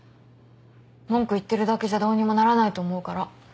文句言ってるだけじゃどうにもならないと思うから。